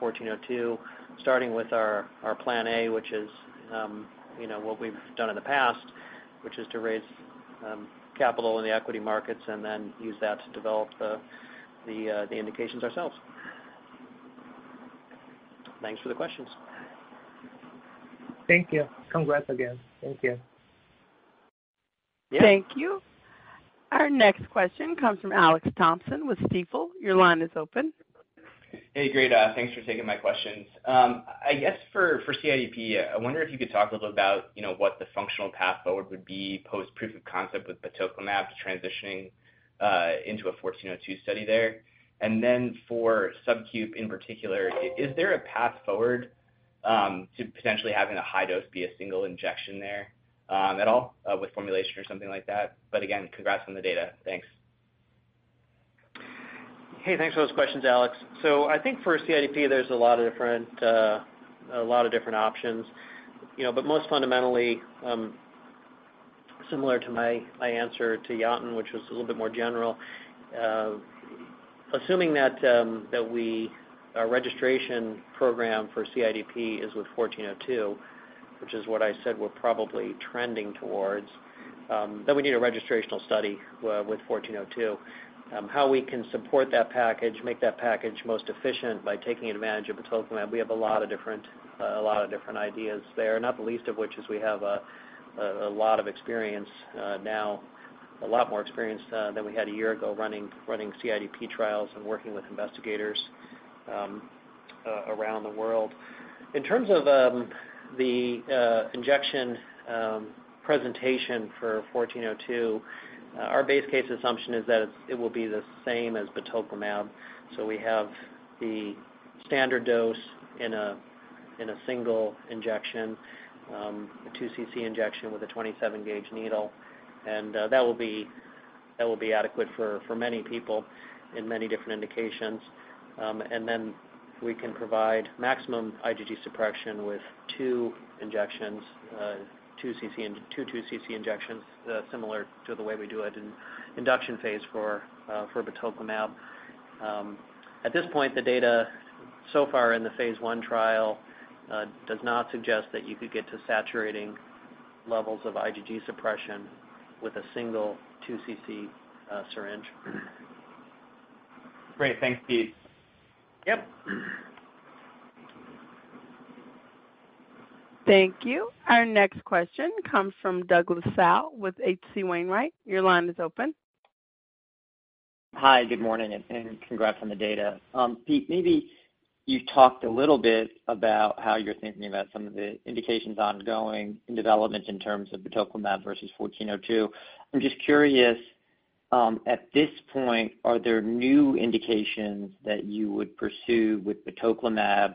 1402, starting with our plan A, which is, you know, what we've done in the past, which is to raise capital in the equity markets and then use that to develop the indications ourselves. Thanks for the questions. Thank you. Congrats again. Thank you. Yeah. Thank you. Our next question comes from Alex Thompson with Stifel. Your line is open. Hey, great. Thanks for taking my questions. I guess for, for CIDP, I wonder if you could talk a little about, you know, what the functional path forward would be, post proof of concept with batoclimab transitioning into a 1402 study there. And then for subQ in particular, is there a path forward, to potentially having a high dose be a single injection there, at all, with formulation or something like that? But again, congrats on the data. Thanks. Hey, thanks for those questions, Alex. So I think for CIDP, there's a lot of different, a lot of different options. You know, but most fundamentally, similar to my answer to Yatin, which was a little bit more general, assuming that our registration program for CIDP is with 1402, which is what I said we're probably trending towards, then we need a registrational study with 1402. How we can support that package, make that package most efficient by taking advantage of batoclimab, we have a lot of different, a lot of different ideas there, not the least of which is we have a lot of experience, now, a lot more experience, than we had a year ago running, running CIDP trials and working with investigators, around the world. In terms of the injection presentation for 1402, our base case assumption is that it will be the same as batoclimab. So we have the standard dose in a single injection, a 2 cc injection with a 27-gauge needle, and that will be adequate for many people in many different indications. And then we can provide maximum IgG suppression with two injections, 2 cc, two 2 cc injections, similar to the way we do it in induction phase for batoclimab. At this point, the data so far in the phase I trial does not suggest that you could get to saturating levels of IgG suppression with a single 2 cc syringe. Great. Thanks, Pete. Yep. Thank you. Our next question comes from Douglas Tsao with H.C. Wainwright. Your line is open. Hi, good morning, and congrats on the data. Pete, maybe you talked a little bit about how you're thinking about some of the indications ongoing in development in terms of batoclimab versus IMVT-1402. I'm just curious, at this point, are there new indications that you would pursue with batoclimab,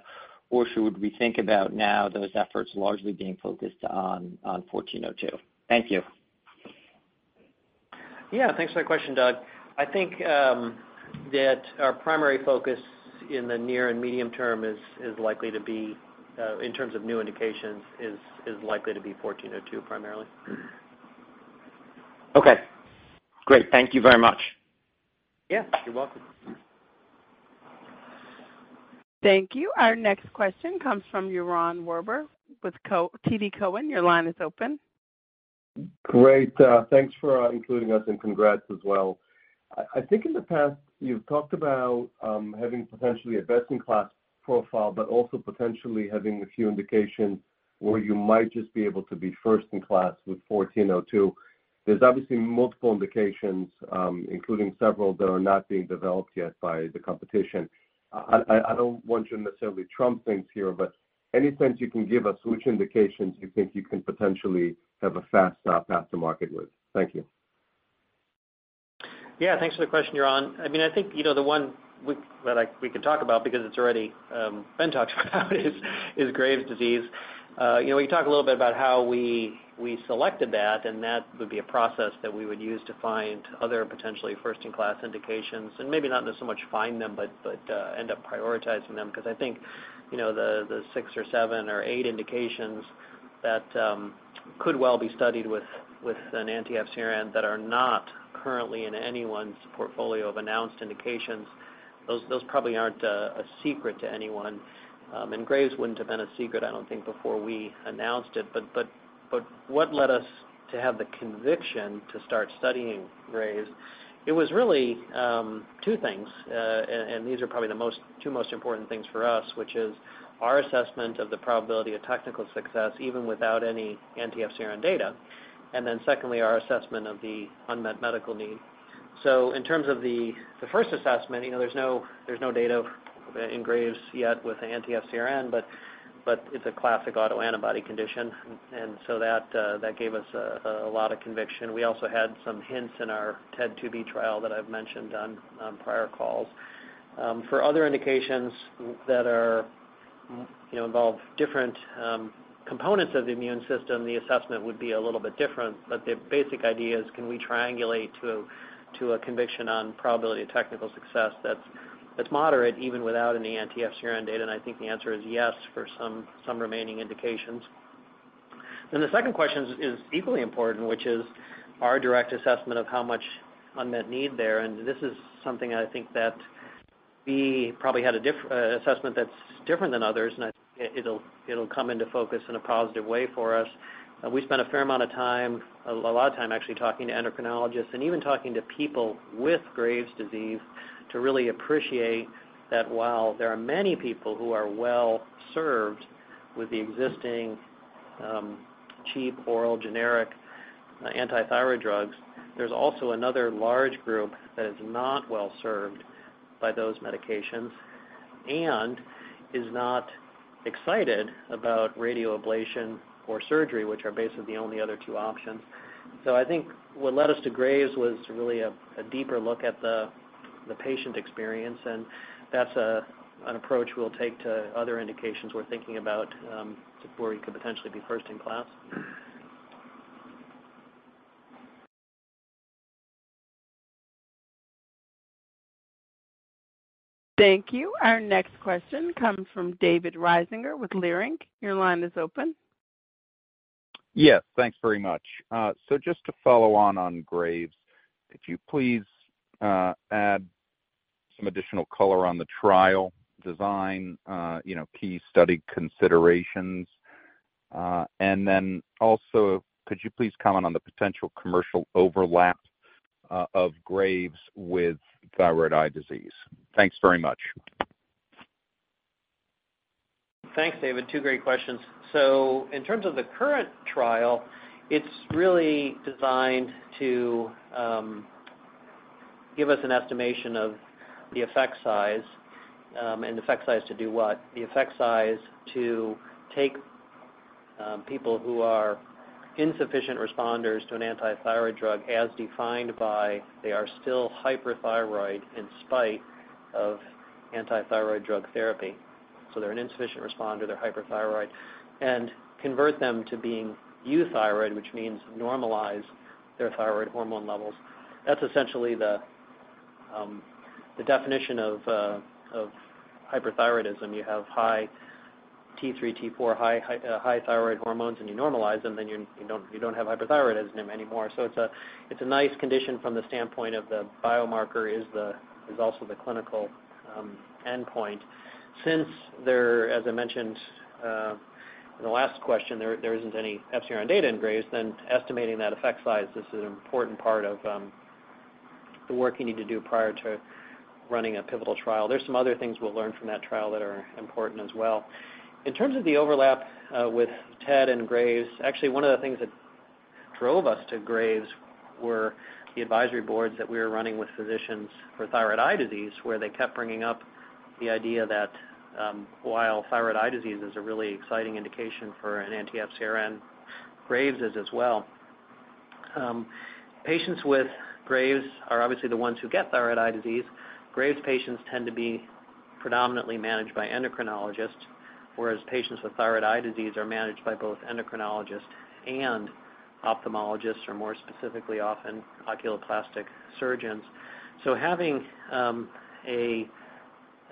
or should we think about now those efforts largely being focused on IMVT-1402? Thank you. Yeah. Thanks for that question, Doug. I think that our primary focus in the near and medium term is likely to be in terms of new indications, likely to be 1402, primarily. Okay. Great. Thank you very much. Yeah, you're welcome. Thank you. Our next question comes from Yaron Werber with TD Cowen. Your line is open. Great. Thanks for including us and congrats as well. I think in the past, you've talked about having potentially a best-in-class profile, but also potentially having a few indications where you might just be able to be first-in-class with 1402. There's obviously multiple indications, including several that are not being developed yet by the competition. I don't want you to necessarily trump things here, but any sense you can give us which indications you think you can potentially have a fast path to market with? Thank you. Yeah, thanks for the question, Yaron. I mean, I think, you know, the one we, that I, we can talk about because it's already been talked about is Graves' disease. You know, we can talk a little bit about how we selected that, and that would be a process that we would use to find other potentially first-in-class indications, and maybe not so much find them, but end up prioritizing them. Because I think, you know, the six or seven or eight indications that could well be studied with an anti-FcRn that are not currently in anyone's portfolio of announced indications, those probably aren't a secret to anyone. And Graves' wouldn't have been a secret, I don't think, before we announced it. But, but, but what led us to have the conviction to start studying Graves', it was really, two things. And, and these are probably the most, two most important things for us, which is our assessment of the probability of technical success, even without any anti-FcRn data, and then secondly, our assessment of the unmet medical need. So in terms of the first assessment, you know, there's no, there's no data in Graves' yet with anti-FcRn, but, but it's a classic autoantibody condition. And so that, that gave us a, a lot of conviction. We also had some hints in our TED 2b trial that I've mentioned on prior calls. For other indications that are, you know, involve different components of the immune system, the assessment would be a little bit different, but the basic idea is can we triangulate to a conviction on probability of technical success that's moderate, even without any anti-FcRn data? And I think the answer is yes for some remaining indications. Then the second question is equally important, which is our direct assessment of how much unmet need there. And this is something I think that we probably had a different assessment that's different than others, and I think it'll come into focus in a positive way for us. We spent a fair amount of time, a lot of time actually talking to endocrinologists and even talking to people with Graves' disease to really appreciate that while there are many people who are well served with the existing, cheap, oral, generic anti-thyroid drugs, there's also another large group that is not well served by those medications and is not excited about radio ablation or surgery, which are basically the only other two options. So I think what led us to Graves' was really a deeper look at the patient experience, and that's an approach we'll take to other indications we're thinking about, where we could potentially be first-in-class. Thank you. Our next question comes from David Risinger with Leerink. Your line is open. Yes. Thanks very much. So just to follow on Graves', could you please add some additional color on the trial design, you know, key study considerations? And then also, could you please comment on the potential commercial overlap of Graves' with thyroid eye disease? Thanks very much. Thanks, David. Two great questions. So in terms of the current trial, it's really designed to give us an estimation of the effect size, and effect size to do what? The effect size to take people who are insufficient responders to an anti-thyroid drug, as defined by they are still hyperthyroid in spite of anti-thyroid drug therapy. So they're an insufficient responder, they're hyperthyroid, and convert them to being euthyroid, which means normalize their thyroid hormone levels. That's essentially the definition of hyperthyroidism. You have high T3, T4, high thyroid hormones, and you normalize them, then you don't have hyperthyroidism anymore. So it's a nice condition from the standpoint of the biomarker is also the clinical endpoint. Since there, as I mentioned, in the last question, there isn't any FcRn data in Graves', then estimating that effect size is an important part of the work you need to do prior to running a pivotal trial. There's some other things we'll learn from that trial that are important as well. In terms of the overlap with TED and Graves', actually, one of the things that drove us to Graves' were the advisory boards that we were running with physicians for thyroid eye disease, where they kept bringing up the idea that while thyroid eye disease is a really exciting indication for an anti-FcRn, Graves' is as well. Patients with Graves' are obviously the ones who get thyroid eye disease. Graves' patients tend to be predominantly managed by endocrinologists, whereas patients with thyroid eye disease are managed by both endocrinologists and ophthalmologists, or more specifically, often oculoplastic surgeons. So having an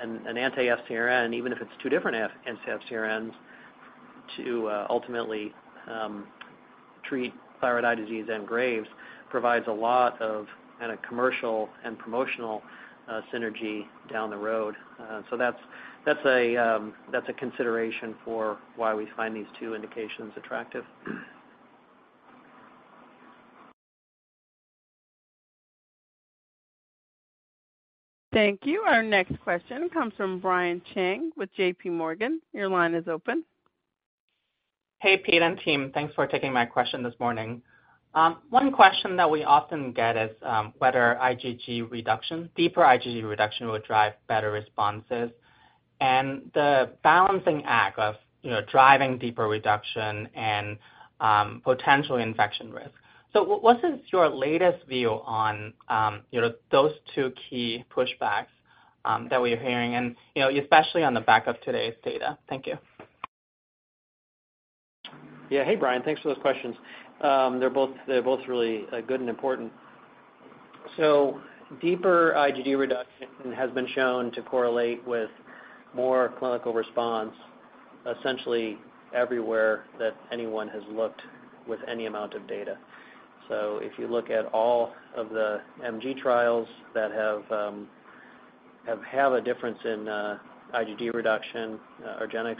anti-FcRn, even if it's two different anti-FcRns, to ultimately treat thyroid eye disease and Graves', provides a lot of kind of commercial and promotional synergy down the road. So that's a consideration for why we find these two indications attractive. Thank you. Our next question comes from Brian Cheng with JPMorgan. Your line is open. Hey, Pete and team, thanks for taking my question this morning. One question that we often get is, whether IgG reduction, deeper IgG reduction, will drive better responses and the balancing act of, you know, driving deeper reduction and, potential infection risk. So what, what is your latest view on, you know, those two key pushbacks, that we're hearing and, you know, especially on the back of today's data? Thank you. Yeah. Hey, Brian, thanks for those questions. They're both really good and important. So deeper IgG reduction has been shown to correlate with more clinical response, essentially everywhere that anyone has looked with any amount of data. So if you look at all of the MG trials that have a difference in IgG reduction, argenx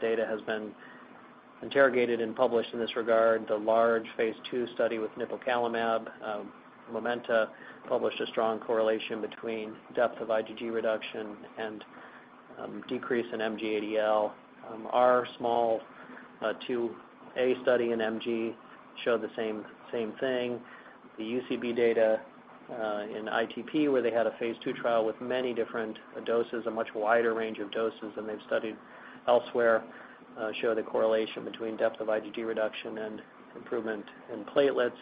data has been interrogated and published in this regard. The large Phase II study with nipocalimab, Momenta published a strong correlation between depth of IgG reduction and decrease in MG-ADL. Our small 2a study in MG showed the same thing. The UCB data in ITP, where they had a phase II trial with many different doses, a much wider range of doses than they've studied elsewhere, show the correlation between depth of IgG reduction and improvement in platelets.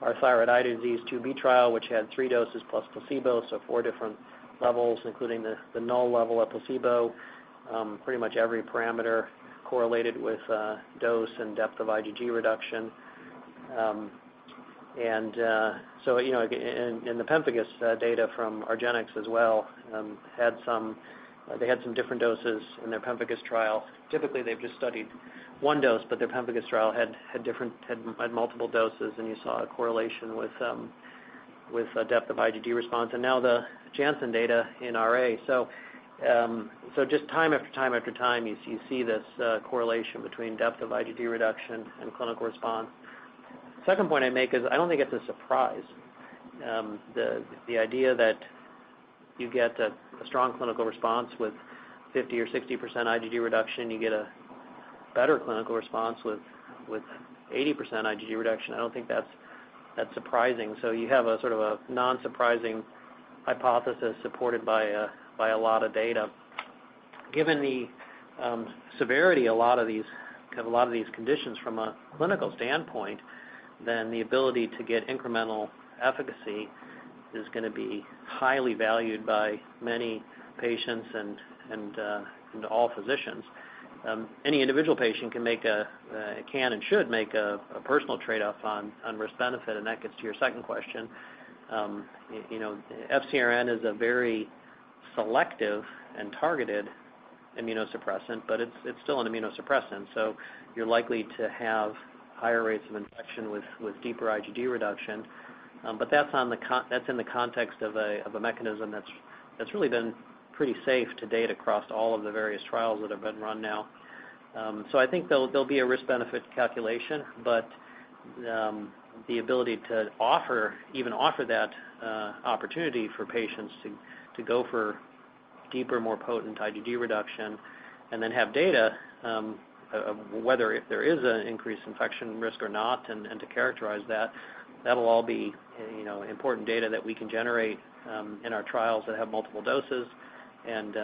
Our thyroid eye disease 2B trial, which had three doses plus placebo, so four different levels, including the null level of placebo. Pretty much every parameter correlated with dose and depth of IgG reduction. So, you know, in the pemphigus data from argenx as well, had some. They had some different doses in their pemphigus trial. Typically, they've just studied one dose, but their pemphigus trial had different, had multiple doses, and you saw a correlation with a depth of IgG response, and now the Janssen data in RA. So, so just time after time after time, you see, you see this, correlation between depth of IgG reduction and clinical response. Second point I'd make is I don't think it's a surprise, the, the idea that you get a, a strong clinical response with 50% or 60% IgG reduction, you get a better clinical response with, with 80% IgG reduction. I don't think that's, that's surprising. So you have a sort of a non-surprising hypothesis supported by a, by a lot of data. Given the, severity, a lot of these, a lot of these conditions from a clinical standpoint, then the ability to get incremental efficacy is gonna be highly valued by many patients and, and, and all physicians. Any individual patient can and should make a personal trade-off on risk-benefit, and that gets to your second question. You know, FcRn is a very selective and targeted immunosuppressant, but it's still an immunosuppressant, so you're likely to have higher rates of infection with deeper IgG reduction. But that's in the context of a mechanism that's really been pretty safe to date across all of the various trials that have been run now. So I think there'll be a risk-benefit calculation, but the ability to offer, even offer that opportunity for patients to go for deeper, more potent IgG reduction and then have data of whether if there is an increased infection risk or not, and to characterize that, that'll all be, you know, important data that we can generate in our trials that have multiple doses and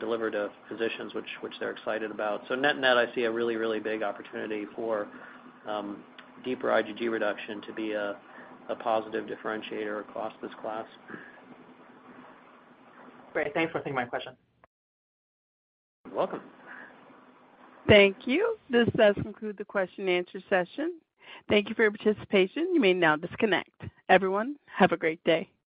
deliver to physicians, which they're excited about. So net, I see a really, really big opportunity for deeper IgG reduction to be a positive differentiator across this class. Great. Thanks for taking my question. You're welcome. Thank you. This does conclude the question and answer session. Thank you for your participation. You may now disconnect. Everyone, have a great day.